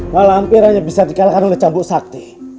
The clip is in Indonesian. malampir hanya bisa di kalahkan oleh cambuk sakti